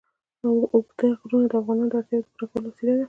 اوږده غرونه د افغانانو د اړتیاوو د پوره کولو وسیله ده.